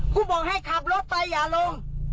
คุณบอกให้ขับรถไปอย่าลง